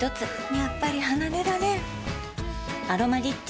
やっぱり離れられん「アロマリッチ」